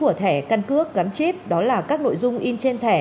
của thẻ căn cước gắn chip đó là các nội dung in trên thẻ